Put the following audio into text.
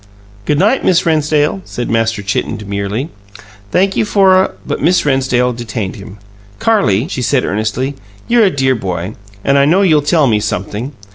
"Good night, Miss Rennsdale," said Master Chitten demurely. "Thank you for a " But Miss Rennsdale detained him. "Carrie," she said earnestly, "you're a dear boy, and I know you'll tell me something.